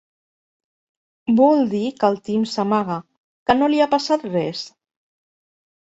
Vol dir que el Tim s'amaga, que no li ha passat res?